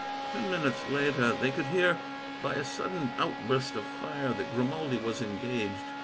Ten minutes later they could hear, by a sudden outburst of fire, that Grimaldi was engaged.